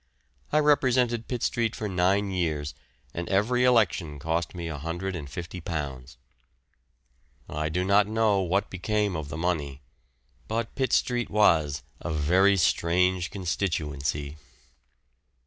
I represented Pitt Street for nine years, and every election cost me £150. I do not know what became of the money, but Pitt Street was a very strange constituency.